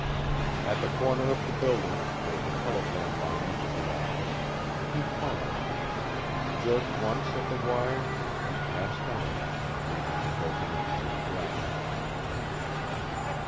At the corner of the building, where the telephone line entered the office, he paused, jerked once at the wire, and passed on, leaving the broken ends on the ground.